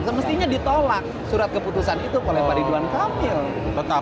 semestinya ditolak surat keputusan itu oleh pari duan kamil